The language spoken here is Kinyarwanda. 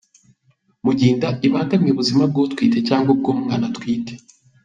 Mu gihe inda ibangamiye ubuzima bw’utwite cyangwa ubw’umwana atwite